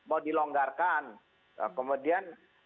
kemudian mau dilonggarkan kemudian mau dilenggarkan kemudian mau dilenggarkan